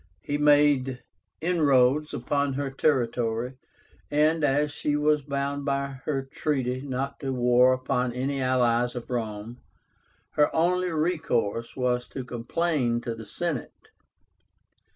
He made inroads upon her territory, and, as she was bound by her treaty not to war upon any allies of Rome, her only recourse was to complain to the Senate.